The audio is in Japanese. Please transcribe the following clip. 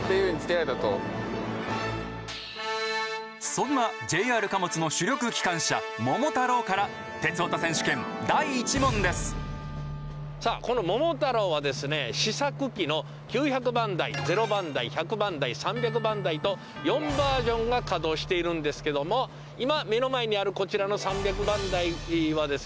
そんなＪＲ貨物の主力機関車「桃太郎」からさあこの「桃太郎」はですね試作機の９００番代０番代１００番代３００番代と４バージョンが稼働しているんですけども今目の前にあるこちらの３００番代はですね